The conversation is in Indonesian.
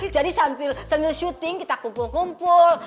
jadi sambil syuting kita kumpul kumpul